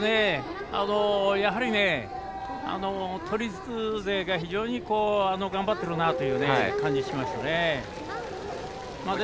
やはり都立勢が非常に頑張っているなという感じしましたね。